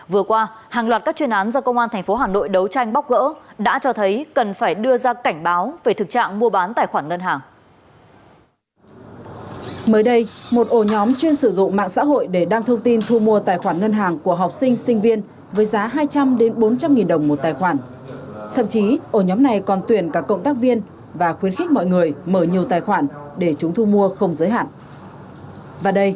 vừa qua hàng loạt các chuyên án do công an tp hà nội đấu tranh bóc gỡ đã cho thấy cần phải đưa ra cảnh báo về thực trạng mua bán tài khoản ngân hàng